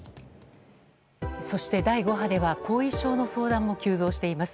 そして第５波では後遺症の相談も急増しています。